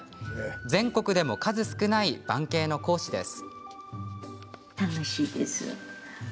全国でも数少ない盤景の講師です。